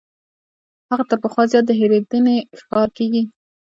هغه تر پخوا زیات د هېرېدنې ښکار کیږي.